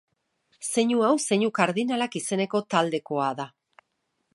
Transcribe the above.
Zeinu hau zeinu kardinalak izeneko taldekoa da.